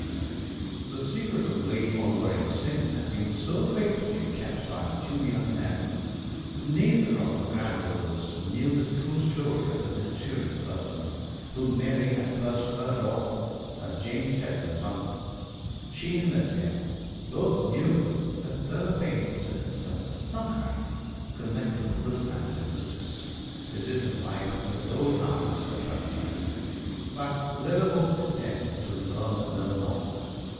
The secret of Lady Maulevrier's sin had been so faithfully kept by the two young men that neither of her granddaughters knew the true story of that mysterious person whom Mary had first heard of as James Steadman's uncle. She and Lesbia both knew that there were painful circumstances of some kind connected with this man's existence, his hidden life in the old house at Fellside; but they were both content to learn no more.